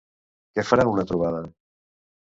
Qui farà una trobada?